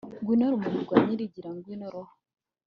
ngwino rumuri rwa nyirigira, ngwino roho